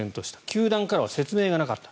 球団からは説明がなかった。